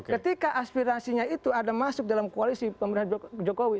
ketika aspirasinya itu ada masuk dalam koalisi pemerintahan jokowi